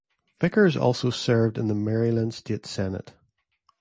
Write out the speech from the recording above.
Vickers also served in the Maryland State Senate.